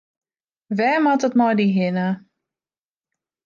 Wêr moat it mei dy hinne?